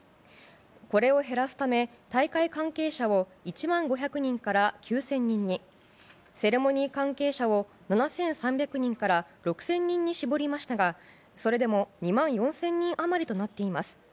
これを減らすため大会関係者を１万５００人から９０００人にセレモニー関係者を７３００人から６０００人に絞りましたがそれでも２万４０００人余りとなっています。